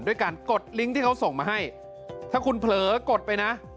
ด้วยการกดลิงก์ที่เขาส่งมาให้ถ้าคุณเผลอกดไปนะ